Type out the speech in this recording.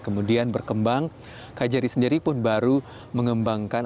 kemudian berkembang kjri sendiri pun baru mengembangkan